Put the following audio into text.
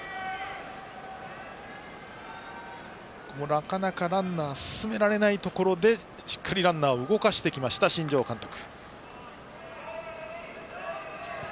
なかなかランナーを進められないところでしっかりランナーを動かしてきた新庄監督。